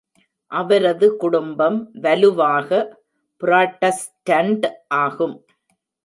அவரது குடும்பம் வலுவாக புராட்டஸ்டன்ட் ஆகும் .